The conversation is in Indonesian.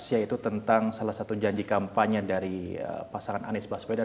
yaitu tentang salah satu janji kampanye dari pasangan anies baswedan